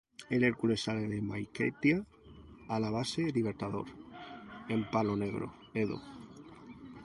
El Hercules sale de Maiquetía a la Base Libertador, en Palo Negro, Edo.